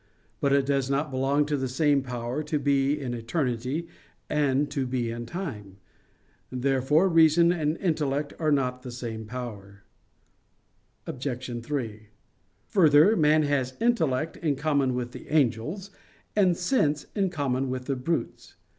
But it does not belong to the same power to be in eternity and to be in time. Therefore reason and intellect are not the same power. Obj. 3: Further, man has intellect in common with the angels, and sense in common with the brutes.